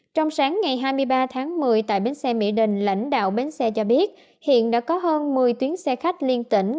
trong sáng ngày hai mươi ba tháng một mươi tại bến xe mỹ đình lãnh đạo bến xe cho biết hiện đã có hơn một mươi tuyến xe khách liên tỉnh